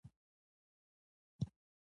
پريګلې وار د مخه کړ او وویل چې پيريان دي